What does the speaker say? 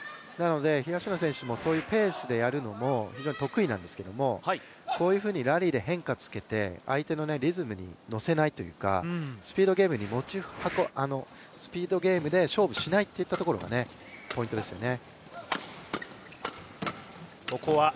東野選手もそういうペースでやるのも非常に得意なんですけれども、こういうふうにラリーで変化をつけて、相手のリズムに乗せないというかスピードゲームで勝負しないっていったところがポイントですよね。